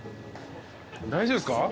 大丈夫ですか？